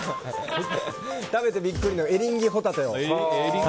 食べてビックリのエリンギホタテを。